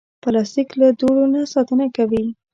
پلاستيک له دوړو نه ساتنه کوي.